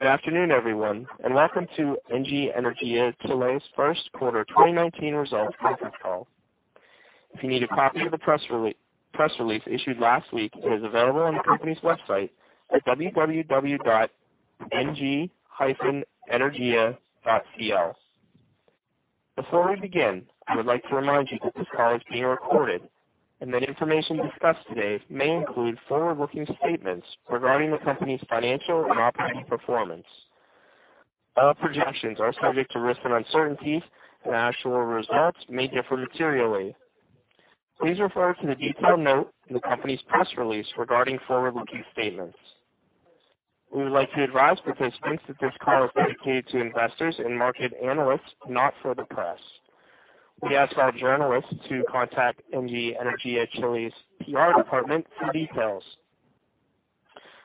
Good afternoon, everyone, and welcome to Engie Energia Chile's first quarter 2019 results conference call. If you need a copy of the press release issued last week, it is available on the company's website at www.engie-energia.cl. Before we begin, we would like to remind you that this call is being recorded and that information discussed today may include forward-looking statements regarding the company's financial and operating performance. Our projections are subject to risks and uncertainties, and actual results may differ materially. Please refer to the detailed note in the company's press release regarding forward-looking statements. We would like to advise participants that this call is dedicated to investors and market analysts, not for the press. We ask all journalists to contact Engie Energia Chile's PR department for details.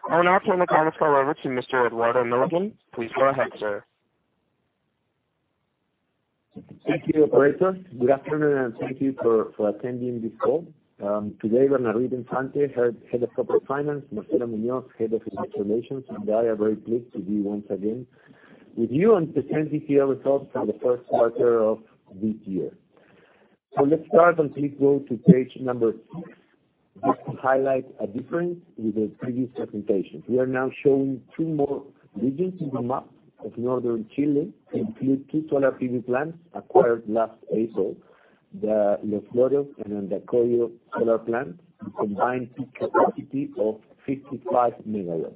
I will now turn the conference call over to Mr. Eduardo Milligan. Please go ahead, sir. Thank you, operator. Good afternoon, and thank you for attending this call. Today, Bernard Infante, head of corporate finance, Marcela Munoz, head of investor relations, and I are very pleased to be once again with you and present the ECL results for the first quarter of this year. Let's start and please go to page number six. This will highlight a difference with the previous presentations. We are now showing two more regions in the map of Northern Chile to include two solar PV plants acquired last April, the Los Loros and Andacollo solar plants, a combined peak capacity of 55 MW.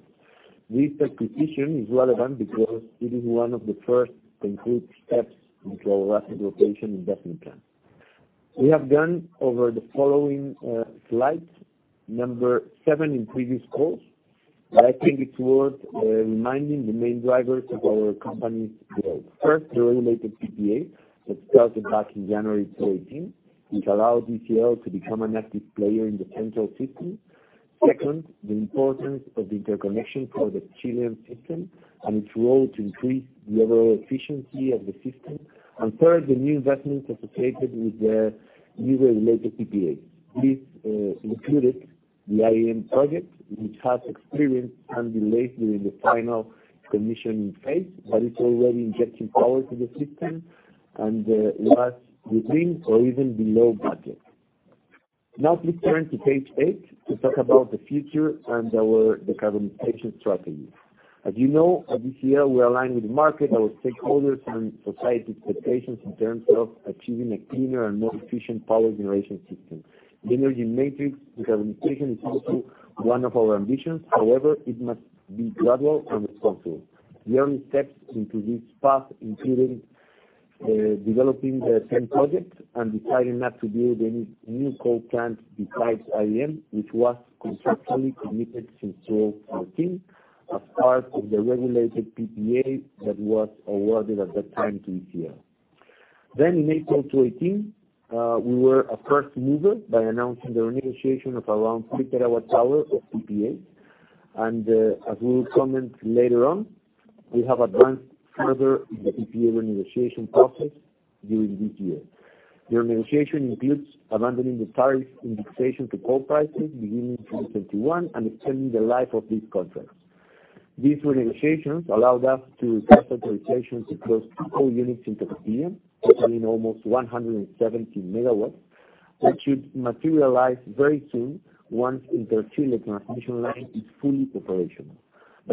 This acquisition is relevant because it is one of the first concrete steps into our asset rotation investment plan. We have gone over the following slides, number seven in previous calls, but I think it's worth reminding the main drivers of our company's growth. First, the regulated PPA that started back in January 2018, which allowed ECL to become an active player in the central system. Second, the importance of the interconnection for the Chilean system and its role to increase the overall efficiency of the system. Third, the new investments associated with the new regulated PPA. This included the IEM project, which has experienced some delays during the final commissioning phase, but it's already injecting power to the system and it was within or even below budget. Please turn to page eight to talk about the future and our decarbonization strategy. As you know, at ECL, we're aligned with the market, our stakeholders, and society expectations in terms of achieving a cleaner and more efficient power generation system. The energy matrix decarbonization is also one of our ambitions. However, it must be gradual and responsible. The early steps into this path, including developing the same projects and deciding not to build any new coal plants besides IEM, which was conceptually committed since 2014 as part of the regulated PPA that was awarded at that time to ECL. In April 2018, we were a first mover by announcing the renegotiation of around three terawatt-hour of PPAs, and as we will comment later on, we have advanced further in the PPA renegotiation process during this year. The renegotiation includes abandoning the tariff indexation to coal prices beginning 2021 and extending the life of these contracts. These renegotiations allowed us to request authorization to close two coal units in Tocopilla, totaling almost 170 MW, which should materialize very soon once Interchile transmission line is fully operational.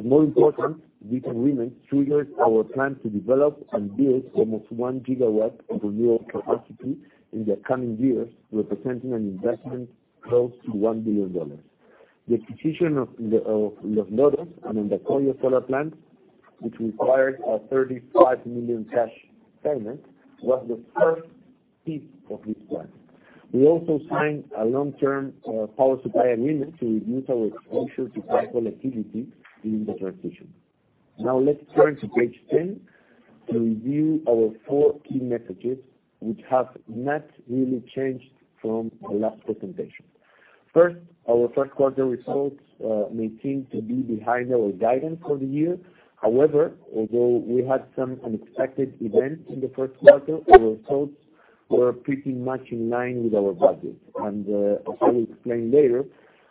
More important, this agreement triggers our plan to develop and build almost one gigawatt of renewable capacity in the coming years, representing an investment close to $1 billion. The acquisition of Los Loros and Andacollo solar plants, which required a $35 million cash payment, was the first piece of this plan. We also signed a long-term power supply agreement to reduce our exposure to price volatility during the transition. Now let's turn to page 10 to review our four key messages, which have not really changed from the last presentation. First, our first quarter results may seem to be behind our guidance for the year. However, although we had some unexpected events in the first quarter, our results were pretty much in line with our budget. As I will explain later,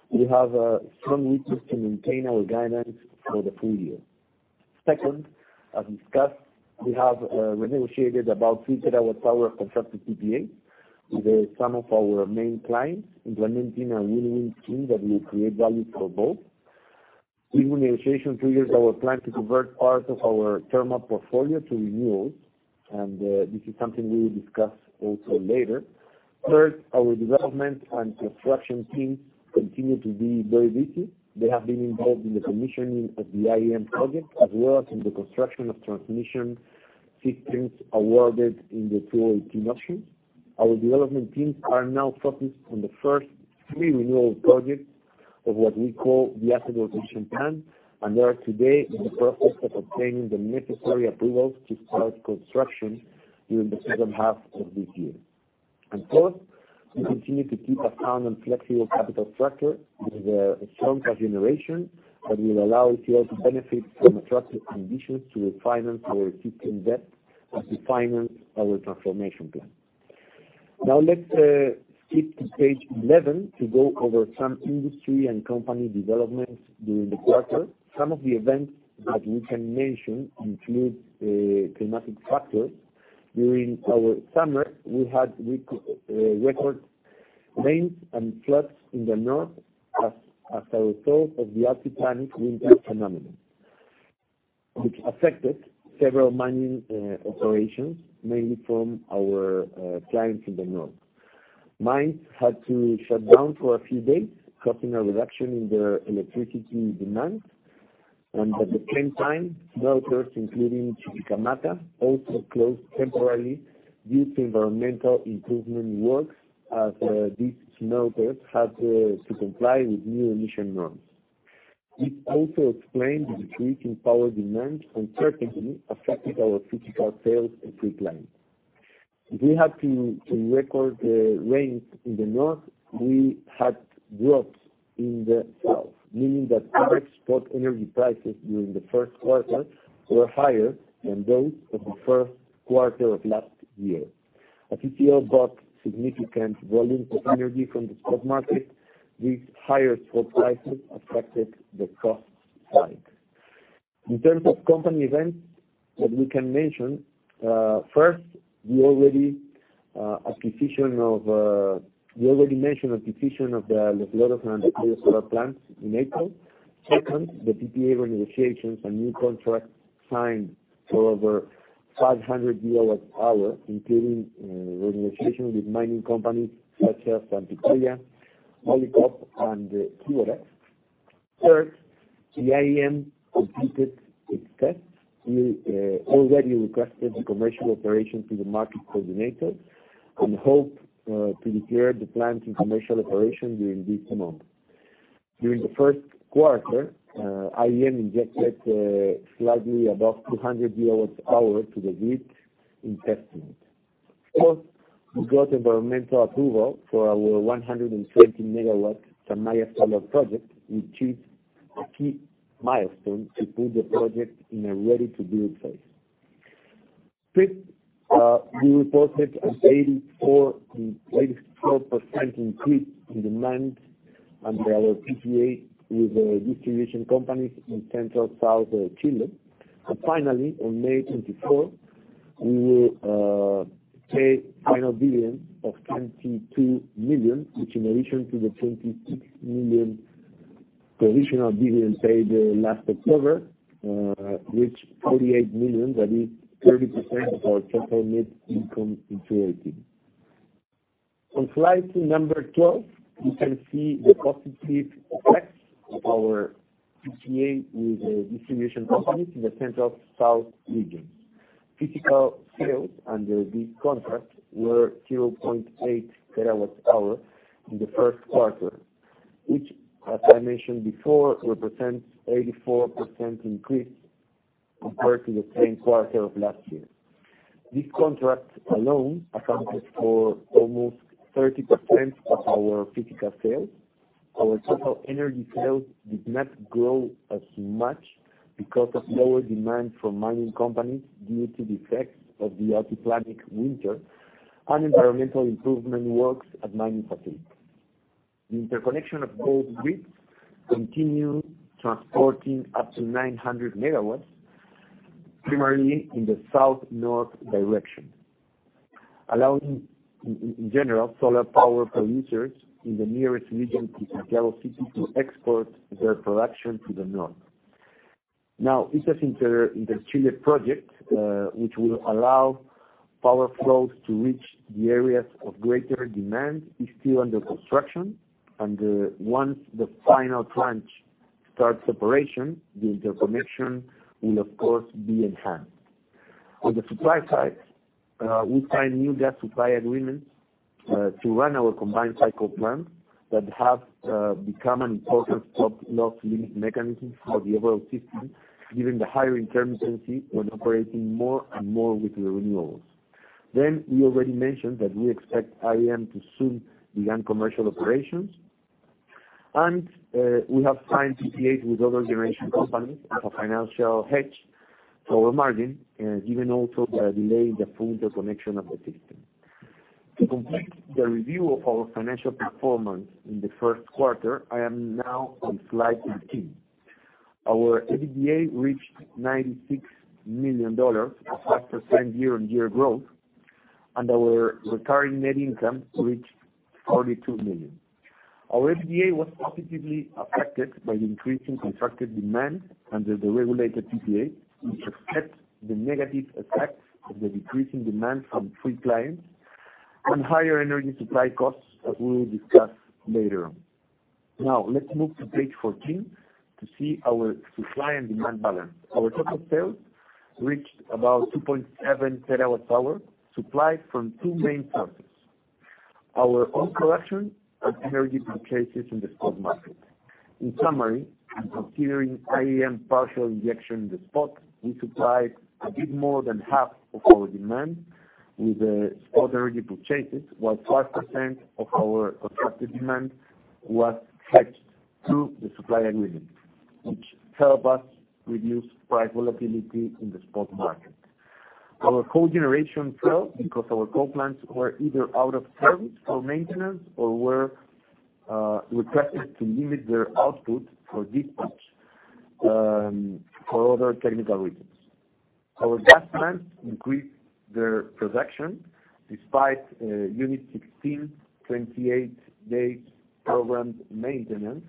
we have strong reasons to maintain our guidance for the full year. Second, as discussed, we have renegotiated about three terawatt-hour of contracted PPA with some of our main clients, implementing a win-win scheme that will create value for both. This renegotiation triggers our plan to convert part of our thermal portfolio to renewables, and this is something we will discuss also later. Third, our development and construction teams continue to be very busy. They have been involved in the commissioning of the IEM project, as well as in the construction of transmission systems awarded in the 2018 auction. Our development teams are now focused on the first three renewable projects of what we call the asset rotation plan and are today in the process of obtaining the necessary approvals to start construction during the second half of this year. Fourth, we continue to keep a sound and flexible capital structure with a strong cash generation that will allow ECL to benefit from attractive conditions to refinance our existing debt and to finance our transformation plan. Now let's skip to page 11 to go over some industry and company developments during the quarter. Some of the events that we can mention include climatic factors. During our summer, we had record rains and floods in the north as a result of the Altiplanic winter phenomenon, which affected several mining operations, mainly from our clients in the north. Mines had to shut down for a few days, causing a reduction in their electricity demands, and at the same time, smelters, including Chuquicamata, also closed temporarily due to environmental improvement works as these smelters had to comply with new emission norms. This also explained the decrease in power demand and certainly affected our physical sales and free clients. If we had record rains in the north, we had droughts in the south, meaning that average spot energy prices during the first quarter were higher than those of the first quarter of last year. As you see, I've got significant volume of energy from the spot market. These higher spot prices affected the cost side. In terms of company events that we can mention, first, we already mentioned acquisition of the Los Loros and Andacollo solar plants in April. Second, the PPA renegotiations and new contracts signed for over 500 gigawatts power, including renegotiation with mining companies such as Antofagasta, Molycop, and Quiborax. Third, IEM completed its tests. We already requested the commercial operation to the market coordinator, and hope to declare the plant in commercial operation during this month. During the first quarter, IEM injected slightly above 200 gigawatts power to the grid in testing. Fourth, we got environmental approval for our 120-megawatt Tamaya solar project, which is a key milestone to put the project in a ready-to-build phase. Fifth, we reported an 84% increase in demand under our PPA with the distribution companies in central south Chile. Finally, on May 24, we will pay final dividend of $22 million, which in addition to the $26 million provisional dividend paid last October, reach $48 million, that is 30% of our total net income in 2018. On slide number 12, you can see the positive effects of our PPA with the distribution companies in the central south region. Physical sales under this contract were 0.8 terawatts power in the first quarter, which, as I mentioned before, represents 84% increase compared to the same quarter of last year. This contract alone accounted for almost 30% of our physical sales. Our total energy sales did not grow as much because of lower demand from mining companies due to the effects of the Altiplanic winter and environmental improvement works at mining facilities. The interconnection of both grids continue transporting up to 900 MW, primarily in the south-north direction, allowing, in general, solar power producers in the nearest region to Santiago City to export their production to the north. Interchile project, which will allow power flows to reach the areas of greater demand, is still under construction, and once the final tranche starts operation, the interconnection will, of course, be enhanced. On the supply side, we signed new gas supply agreements to run our combined cycle plants that have become an important spot loss limit mechanism for the overall system, given the higher intermittency when operating more and more with renewables. We already mentioned that we expect IEM to soon begin commercial operations, and we have signed PPAs with other generation companies as a financial hedge for our margin, given also the delay in the full interconnection of the system. To complete the review of our financial performance in the first quarter, I am now on slide 15. Our EBITDA reached $96 million, a 5% year-on-year growth, and our recurring net income reached $42 million. Our EBITDA was positively affected by the increase in contracted demand under the regulated PPA, which offset the negative effects of the decrease in demand from free clients and higher energy supply costs that we will discuss later. Let's move to page 14 to see our supply and demand balance. Our total sales reached about 2.7 terawatts power, supplied from two main sources: Our own production and energy purchases in the spot market. In summary, considering IEM partial injection in the spot, we supplied a bit more than half of our demand with the spot energy purchases, while 5% of our contracted demand was hedged to the supply agreement, which help us reduce price volatility in the spot market. Our coal generation fell because our coal plants were either out of service for maintenance or were requested to limit their output for dispatch, for other technical reasons. Our gas plants increased their production despite Unit 16's 28-day programmed maintenance,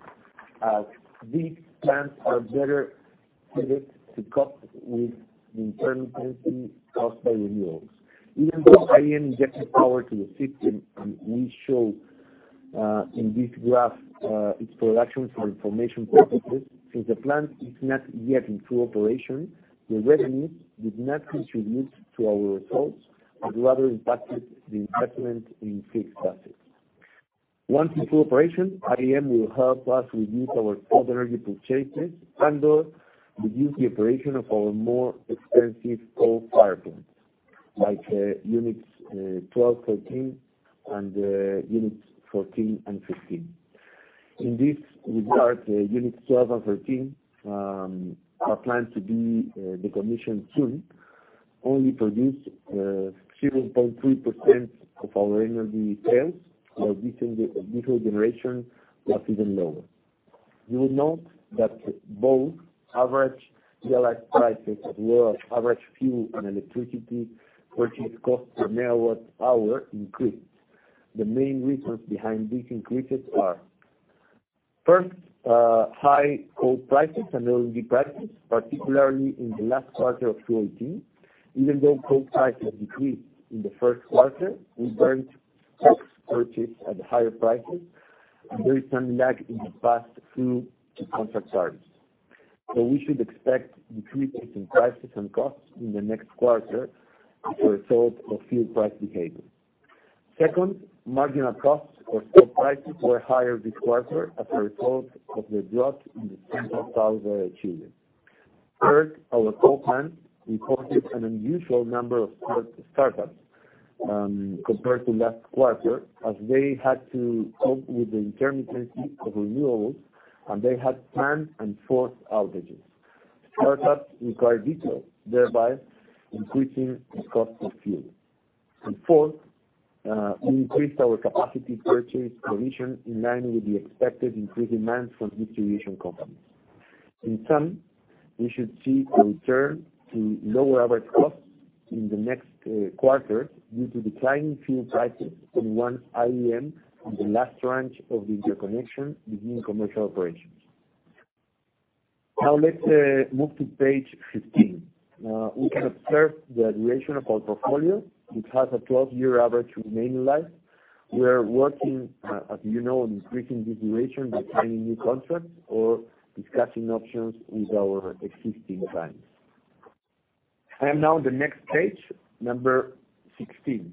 as these plants are better suited to cope with the intermittency caused by renewables. Even though IEM injected power to the system, and we show in this graph its production for information purposes, since the plant is not yet in full operation, the revenues did not contribute to our results, but rather impacted the investment in fixed assets. Once in full operation, IEM will help us reduce our other energy purchases and/or reduce the operation of our more expensive coal power plants, like Units 12, 13, and Units 14 and 15. In this regard, Units 12 and 13, are planned to be decommissioned soon, only produced 0.3% of our energy sales, while diesel generation was even lower. You will note that both average GLX prices as well as average fuel and electricity purchase cost per MWh increased. The main reasons behind these increases are: First, high coal prices and LNG prices, particularly in the last quarter of 2018. Even though coal prices decreased in the first quarter, we burned stocks purchased at higher prices, and there is some lag in the pass-through to contract parties. We should expect decreases in prices and costs in the next quarter as a result of fuel price behavior. Second, marginal costs or spot prices were higher this quarter as a result of the drought in the Central Valley of Chile. Third, our coal plants recorded an unusual number of cold startups compared to last quarter, as they had to cope with the intermittency of renewables, and they had planned and forced outages. Startups require diesel, thereby increasing the cost of fuel. Fourth, we increased our capacity purchase provision in line with the expected increased demand from distribution companies. In sum, we should see a return to lower average costs in the next quarter due to declining fuel prices and once IEM and the last tranche of the interconnection begin commercial operations. Now let's move to page 15. We can observe the duration of our portfolio, which has a 12-year average remaining life. We are working, as you know, on increasing this duration by signing new contracts or discussing options with our existing clients. Now the next page, number 16.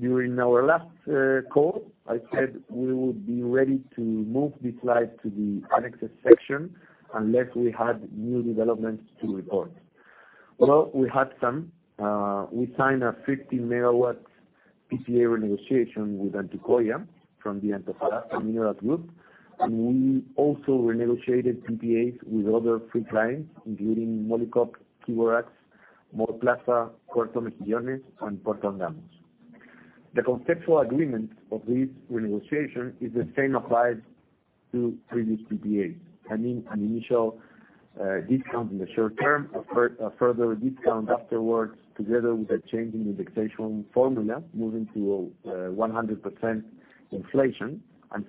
During our last call, I said we would be ready to move this slide to the annexes section unless we had new developments to report. Well, we had some. We signed a 50 MW PPA renegotiation with Antucoya from the Antofagasta Minerals Group, and we also renegotiated PPAs with other free clients, including Molycop, Quiborax, Mallplaza, Puerto Mejillones, and Puerto Angamos. The conceptual agreement of this renegotiation is the same applied to previous PPAs, meaning an initial discount in the short term, a further discount afterwards, together with a change in the indexation formula, moving to 100% inflation.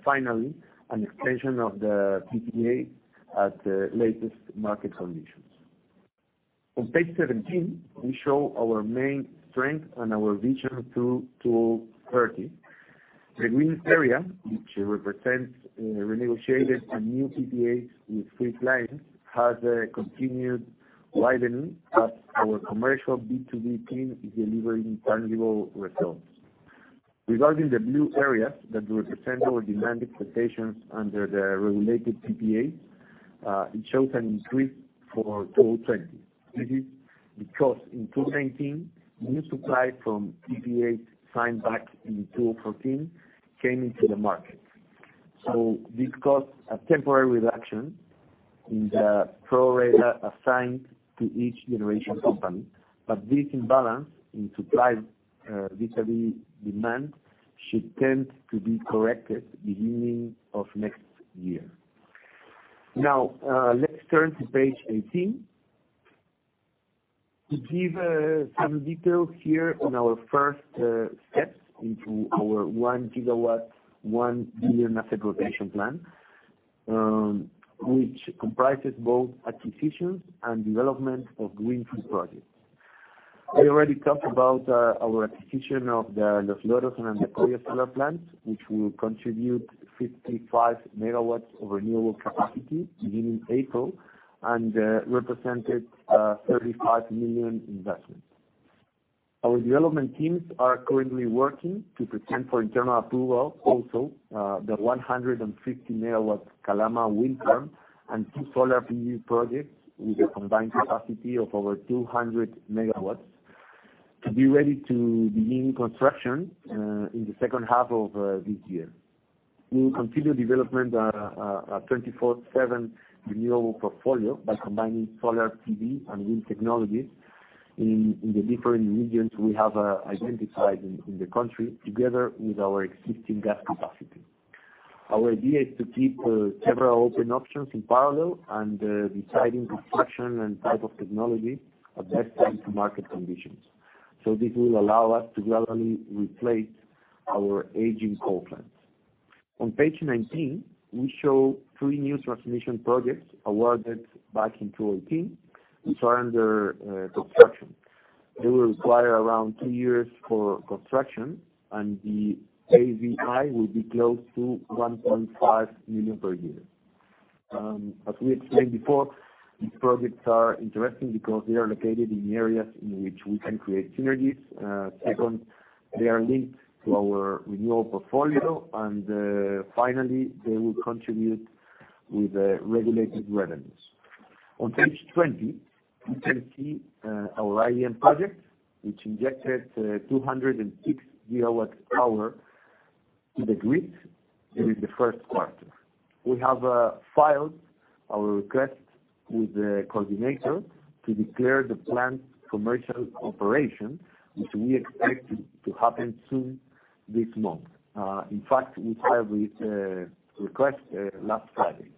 Finally, an extension of the PPA at the latest market conditions. On page 17, we show our main strength and our vision through 2030. The green area, which represents renegotiated and new PPAs with free clients, has continued widening as our commercial B2B team is delivering tangible results. Regarding the blue area that represents our demand expectations under the regulated PPAs, it shows an increase for 2020. This is because, in 2019, new supply from PPAs signed back in 2014 came into the market. This caused a temporary reduction in the pro-rata assigned to each generation company, but this imbalance in supply vis-à-vis demand should tend to be corrected beginning of next year. Let's turn to page 18 to give some details here on our first steps into our 1-gigawatt, $1 billion asset rotation plan, which comprises both acquisitions and development of greenfield projects. I already talked about our acquisition of the Los Loros and Antucoya solar plants, which will contribute 55 MW of renewable capacity beginning April and represented a $35 million investment. Our development teams are currently working to present for internal approval, also, the 150 MW Calama wind farm and two solar PV projects with a combined capacity of over 200 MW to be ready to begin construction in the second half of this year. We will continue development of a 24/7 renewable portfolio by combining solar PV and wind technologies in the different regions we have identified in the country, together with our existing gas capacity. Our idea is to keep several open options in parallel and deciding the section and type of technology are best linked to market conditions. This will allow us to gradually replace our aging coal plants. On page 19, we show three new transmission projects awarded back in 2018, which are under construction. They will require around two years for construction, and the AVI will be close to $1.5 million per year. As we explained before, these projects are interesting because they are located in areas in which we can create synergies. Second, they are linked to our renewable portfolio, and finally, they will contribute with regulated revenues. On page 20, you can see our IEM project, which injected 206 GW to the grid during the first quarter. We have filed our request with the coordinator to declare the plant's commercial operation, which we expect to happen soon this month. In fact, we filed this request last Friday,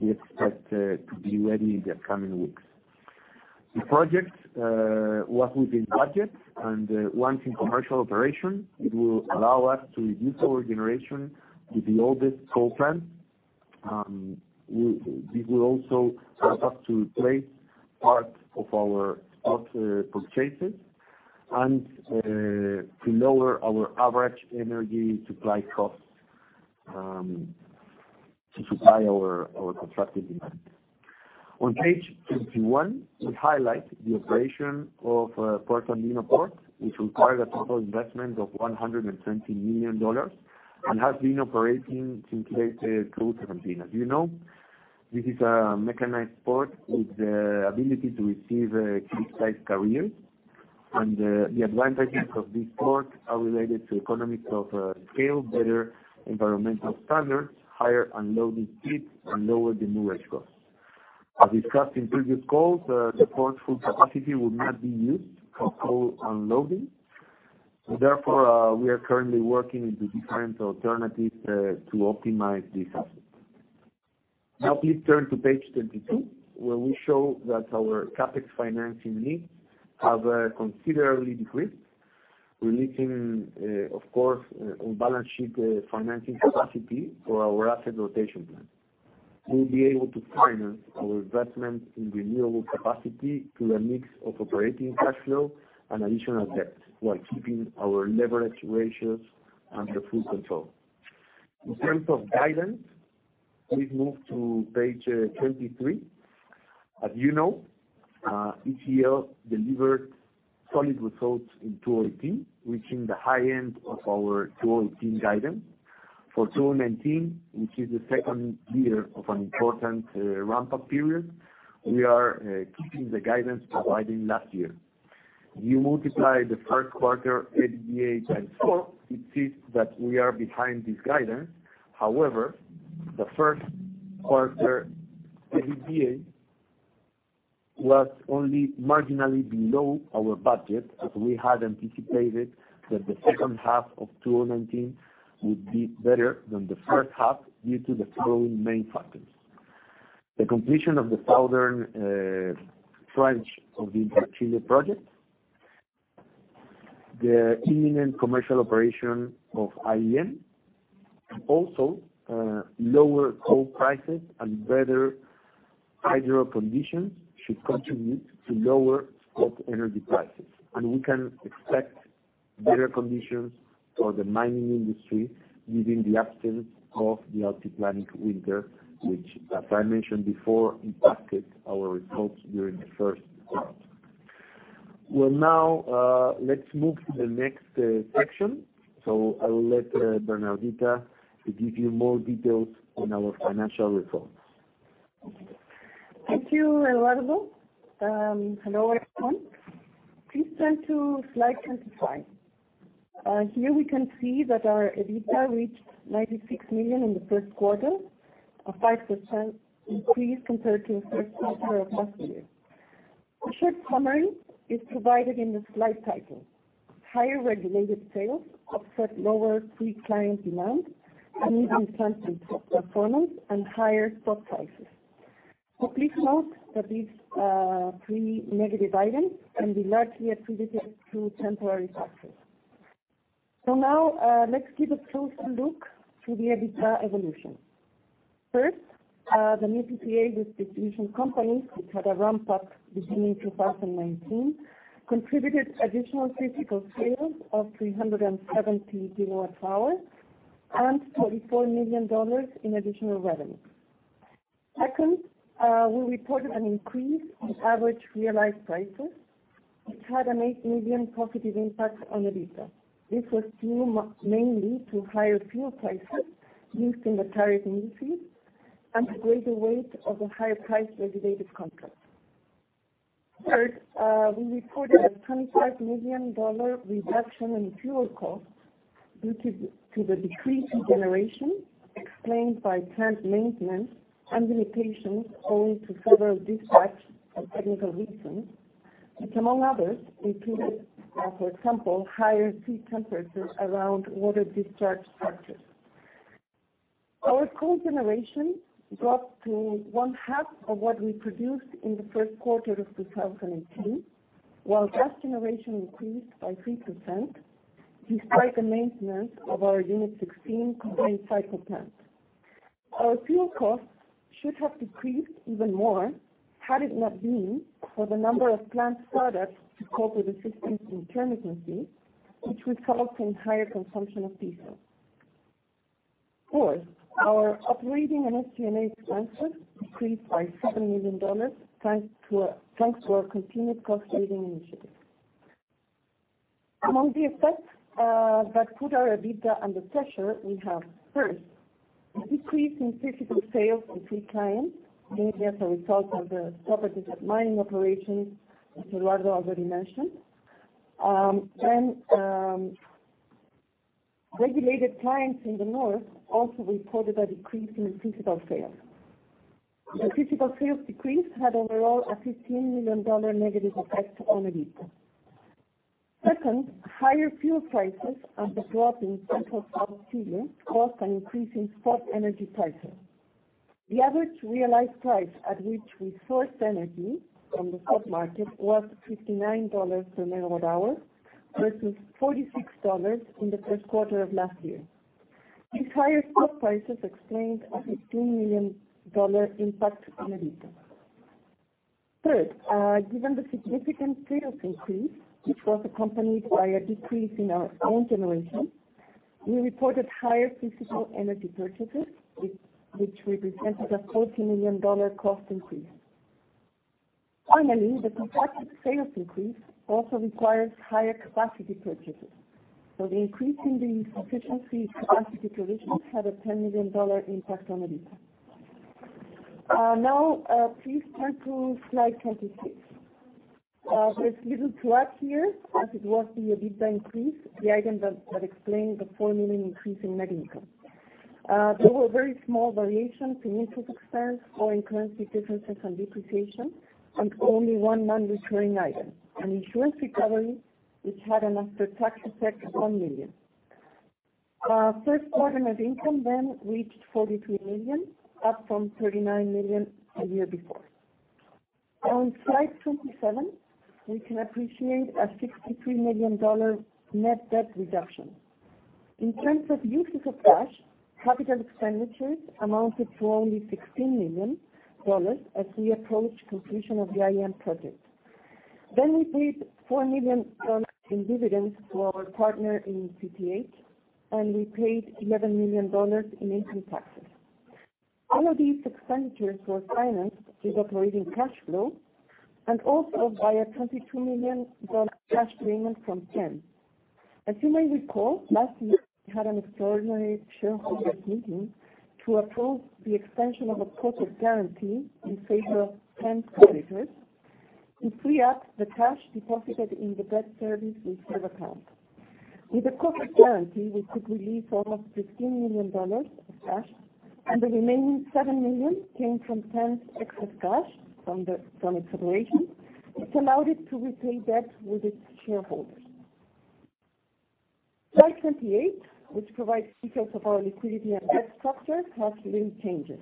we expect to be ready in the coming weeks. The project was within budget, and once in commercial operation, it will allow us to reduce our generation to the oldest coal plant. This will also help us to replace part of our stock purchases and to lower our average energy supply costs to supply our contracted demand. On page 21, we highlight the operation of Mejillones Port, which required a total investment of $120 million and has been operating since late 2017. As you know, this is a mechanized port with the ability to receive big-sized carriers. The advantages of this port are related to economies of scale, better environmental standards, higher unloading speeds, and lower demurrage costs. As discussed in previous calls, the port's full capacity will not be used for coal unloading. Therefore, we are currently working with the different alternatives to optimize this asset. Please turn to page 22, where we show that our CapEx financing needs have considerably decreased, releasing, of course, on-balance sheet financing capacity for our asset rotation plan. We'll be able to finance our investment in renewable capacity through a mix of operating cash flow and additional debt while keeping our leverage ratios under full control. In terms of guidance, please move to page 23. As you know, ECL delivered solid results in 2018, reaching the high end of our 2018 guidance. For 2019, which is the second year of an important ramp-up period, we are keeping the guidance provided last year. You multiply the first quarter EBITDA by 4, it seems that we are behind this guidance. However, the first quarter EBITDA was only marginally below our budget, as we had anticipated that the second half of 2019 would be better than the first half due to the following main factors. The completion of the southern trench of the Chile project, the imminent commercial operation of IEM, and also lower coal prices and better hydro conditions should contribute to lower spot energy prices. We can expect better conditions for the mining industry given the absence of the El Niño Pacific winter, which, as I mentioned before, impacted our results during the first quarter. Now, let's move to the next section. I will let Bernardita give you more details on our financial results. Thank you, Eduardo. Hello, everyone. Please turn to slide 25. Here we can see that our EBITDA reached $96 million in the first quarter, a 5% increase compared to the first quarter of last year. A short summary is provided in the slide title. Higher regulated sales offset lower free client demand and an impairment of performance and higher spot prices. Please note that these three negative items can be largely attributed to temporary factors. Now, let's give a closer look to the EBITDA evolution. First, the new PPA with distribution companies, which had a ramp-up beginning 2019, contributed additional physical sales of 370 gigawatt hours and $44 million in additional revenue. Second, we reported an increase in average realized prices, which had an $8 million positive impact on EBITDA. This was due mainly to higher fuel prices used in the tariff increase. A greater weight of the higher price regulated contracts. Third, we reported a $25 million reduction in fuel costs due to the decrease in generation explained by plant maintenance and limitations owing to several dispatch and technical reasons, which among others, included, for example, higher sea temperatures around water discharge structures. Our coal generation dropped to one half of what we produced in the first quarter of 2018, while gas generation increased by 3%, despite the maintenance of our Unit 16 combined cycle plant. Our fuel costs should have decreased even more, had it not been for the number of plant startups to cope with the system's intermittency, which resulted in higher consumption of diesel. Fourth, our operating and SG&A expenses decreased by $7 million, thanks to our continued cost-saving initiatives. Among the effects that put our EBITDA under pressure, we have, first, a decrease in physical sales on free clients, mainly as a result of the stop of the mining operations that Eduardo already mentioned. Regulated clients in the north also reported a decrease in physical sales. The physical sales decrease had overall a $15 million negative effect on EBITDA. Second, higher fuel prices and the drop in central south fueling caused an increase in spot energy prices. The average realized price at which we sourced energy on the spot market was $59 per MWh versus $46 in the first quarter of last year. These higher spot prices explained a $15 million impact on EBITDA. Third, given the significant tariffs increase, which was accompanied by a decrease in our own generation, we reported higher physical energy purchases, which represented a $40 million cost increase. The contracted sales increase also requires higher capacity purchases. The increase in the sufficiency capacity provisions had a $10 million impact on EBITDA. Please turn to slide 26. There's little to add here, as it was the EBITDA increase, the item that explained the $4 million increase in net income. There were very small variations in interest expense or in currency differences and depreciation, and only one non-recurring item, an insurance recovery, which had an after-tax effect of $1 million. First quarter net income reached $43 million, up from $39 million the year before. On slide 27, we can appreciate a $63 million net debt reduction. In terms of uses of cash, CapEx amounted to only $16 million as we approach completion of the IEM project. We paid $4 million in dividends to our partner in CTH, and we paid $11 million in income taxes. All of these expenditures were financed with operating cash flow and also by a $22 million cash payment from TEN. As you may recall, last year we had an extraordinary shareholders' meeting to approve the extension of a cross-of guarantee in favor of TEN's creditors to free up the cash deposited in the debt service reserve account. With the cross-of guarantee, we could release almost $15 million of cash, and the remaining $7 million came from TEN's excess cash from its operation, which allowed it to repay debt with its shareholders. Slide 28, which provides details of our liquidity and debt structure, has little changes.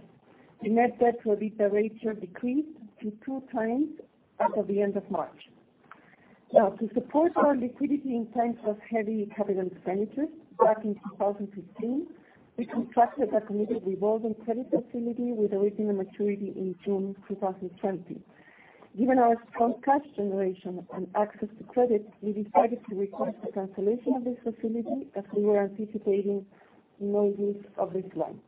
The net debt-to-EBITDA ratio decreased to two times as of the end of March. To support our liquidity in times of heavy CapEx, back in 2015, we contracted a committed revolving credit facility with original maturity in June 2020. Given our strong cash generation and access to credit, we decided to request the cancellation of this facility as we were anticipating no use of this line.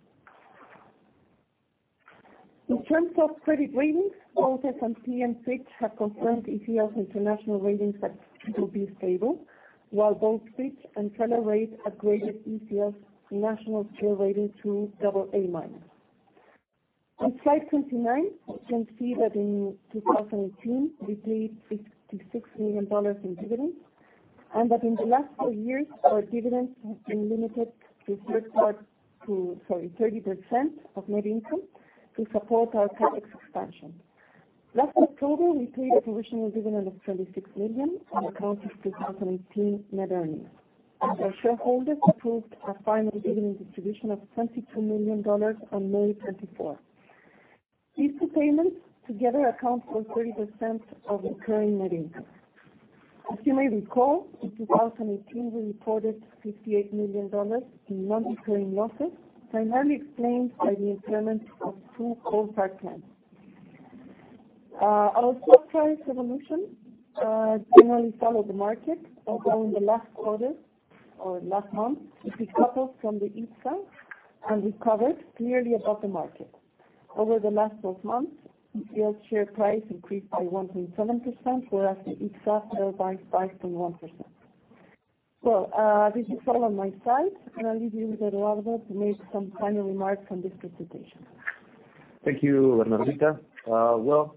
In terms of credit ratings, both S&P and Fitch have confirmed ECL's international ratings at BB stable, while both Fitch and Feller Rate upgraded ECL's national scale rating to AA-. On slide 29, you can see that in 2018, we paid $56 million in dividends, and that in the last four years, our dividends have been limited to 30% of net income to support our CapEx expansion. Last October, we paid a provisional dividend of $36 million on account of 2018 net earnings. Our shareholders approved a final dividend distribution of $22 million on May 24th. These two payments together account for 30% of recurring net income. As you may recall, in 2018, we reported $58 million in non-recurring losses, primarily explained by the impairment of two coal-fired plants. Our share price evolution generally followed the market, although in the last quarter or last month, it decoupled from the IPSA and recovered clearly above the market. Over the last 12 months, ECL share price increased by 1.7%, whereas the IPSA fell by 5.1%. Well, this is all on my side, and I'll leave you with Eduardo to make some final remarks on this presentation. Thank you, Bernardita. Well,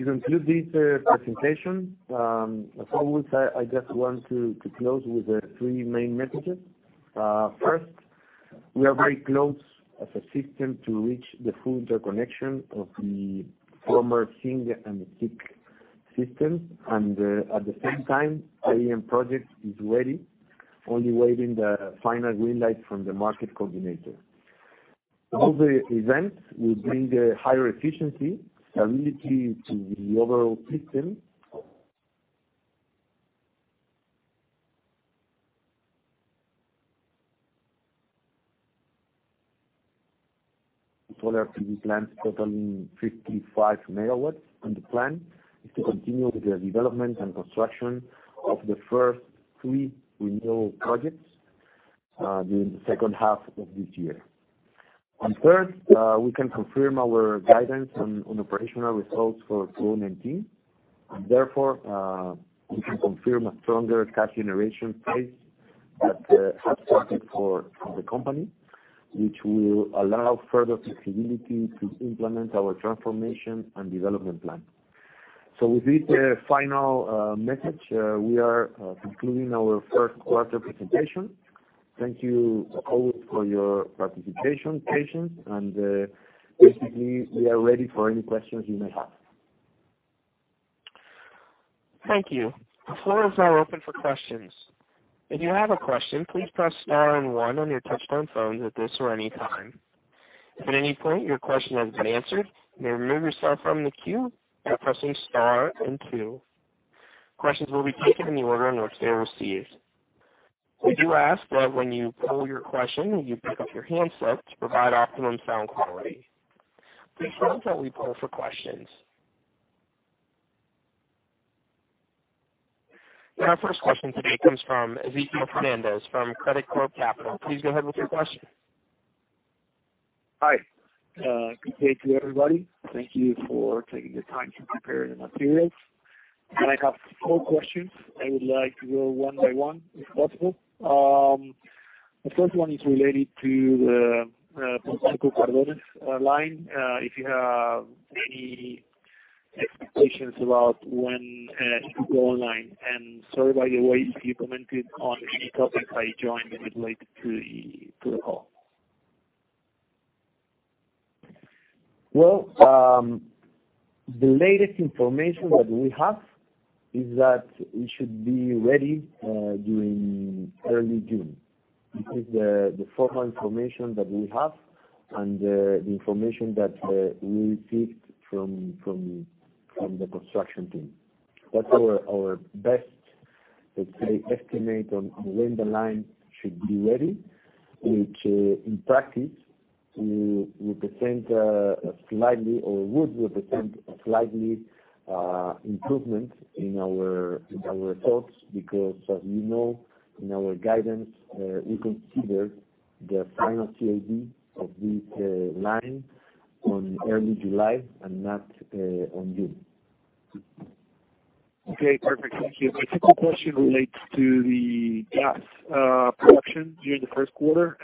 to conclude this presentation, as always, I just want to close with the three main messages. First, we are very close as a system to reach the full interconnection of the former SING and SIC systems. At the same time, AIM project is ready, only waiting the final green light from the market coordinator. Both events will bring higher efficiency, stability to the overall system. Solar PV plants totaling 55 megawatts, and the plan is to continue with the development and construction of the first three renewal projects during the second half of this year. Third, we can confirm our guidance on operational results for 2019, and therefore, we can confirm a stronger cash generation phase that is targeted for the company, which will allow further flexibility to implement our transformation and development plan. With this final message, we are concluding our first quarter presentation. Thank you always for your participation, patience, and basically, we are ready for any questions you may have. Thank you. The floor is now open for questions. If you have a question, please press star and one on your touchtone phones at this or any time. If at any point your question has been answered, you may remove yourself from the queue by pressing star and two. Questions will be taken in the order in which they're received. We do ask that when you pull your question, you pick up your handset to provide optimum sound quality. With that, we poll for questions. Our first question today comes from Ezequiel Fernández from Credicorp Capital. Please go ahead with your question. Hi. Good day to everybody. Thank you for taking the time to prepare the materials. I have four questions. I would like to go one by one, if possible. The first one is related to the Polpaico-Cardones line, if you have any expectations about when it will go online. Sorry, by the way, if you commented on any topics I joined related to the call. Well, the latest information that we have is that it should be ready during early June. This is the formal information that we have and the information that we received from the construction team. That's our best, let's say, estimate on when the line should be ready, which in practice would represent a slight improvement in our results because, as you know, in our guidance, we consider the final COD of this line on early July and not on June. Okay, perfect. Thank you. My second question relates to the gas production during the first quarter,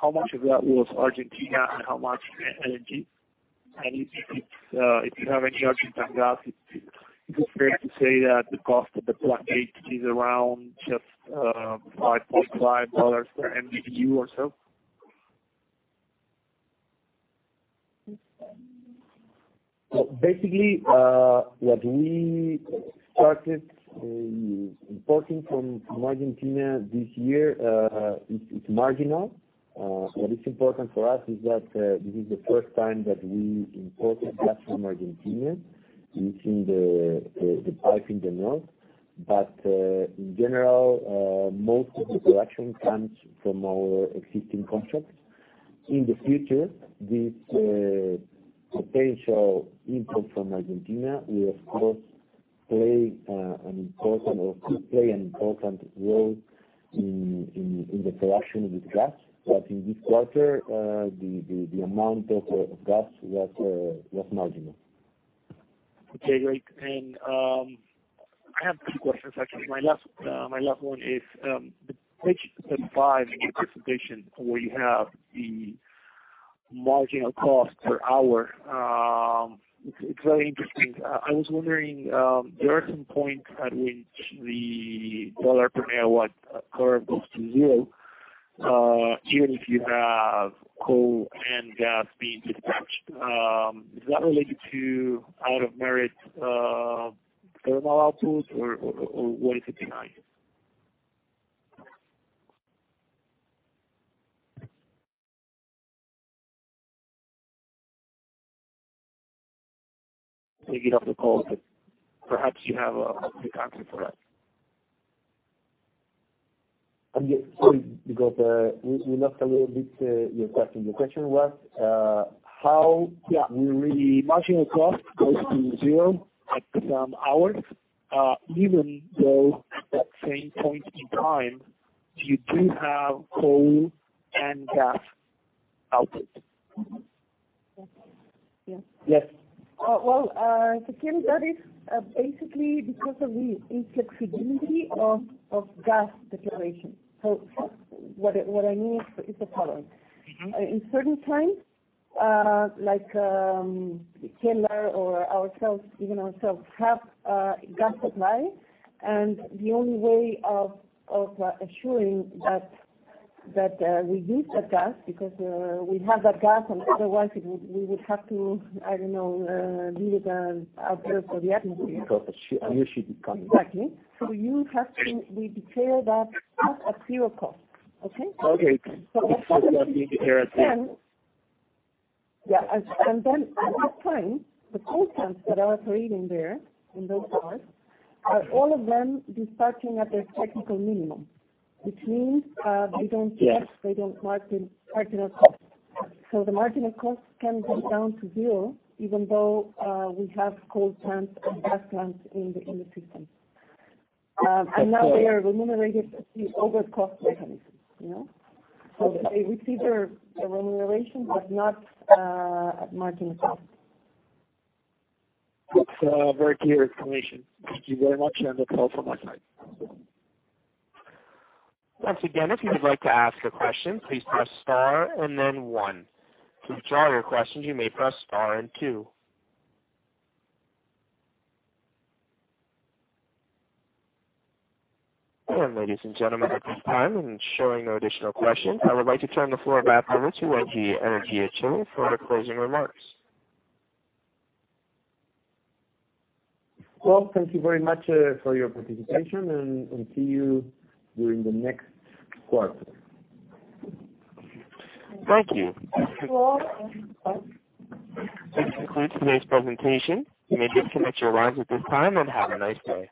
how much of that was Argentina and how much Engie? If you have any Argentine gas, is it fair to say that the cost of the plant gate is around just $5.5 per MBtu or so? Basically, what we started importing from Argentina this year, it's marginal. What is important for us is that this is the first time that we imported gas from Argentina using the pipe in the north. In general, most of the production comes from our existing contracts. In the future, this potential import from Argentina will, of course, could play an important role in the production of the gas. In this quarter, the amount of gas was marginal. Okay, great. I have two questions, actually. My last one is, page five in your presentation, where you have the marginal cost per hour. It's very interesting. I was wondering, there are some points at which the $ per MWh curve goes to zero, even if you have coal and gas being dispatched. Is that related to out-of-merit thermal output or what is it behind it? Maybe you have to call, but perhaps you have a quick answer for that. Sorry, because you lost me a little bit, your question. Yeah. The marginal cost goes to zero at some hours, even though at that same point in time, you do have coal and gas output. Yes. Well, that is basically because of the inflexibility of gas declaration. What I mean is the following. In certain times, like Kelar or even ourselves, have gas supply, and the only way of assuring that we use that gas, because we have that gas and otherwise we would have to, I don't know, leave it out there for the atmosphere. Emission costs. Exactly. We declare that at zero cost. Okay? Okay. At that time Yeah. At that time, the coal plants that are operating there, in those hours, are all of them dispatching at their technical minimum, which means. Yes they don't market marginal cost. The marginal cost can go down to zero, even though we have coal plants and gas plants in the system. Now they are remunerated at the over-cost mechanisms. They receive their remuneration, but not at marginal cost. That's a very clear explanation. Thank you very much. End of call from my side. Once again, if you would like to ask a question, please press star and then one. To withdraw your question, you may press star and two. Ladies and gentlemen, at this time and showing no additional questions, I would like to turn the floor back over to Engie Energia Chile for their closing remarks. Well, thank you very much for your participation, and see you during the next quarter. Thank you. Thanks all. This concludes today's presentation. You may disconnect your lines at this time, and have a nice day.